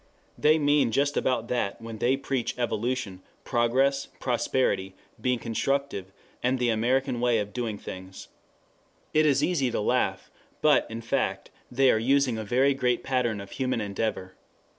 They mean just about that when they preach evolution, progress, prosperity, being constructive, the American way of doing things. It is easy to laugh, but, in fact, they are using a very great pattern of human endeavor.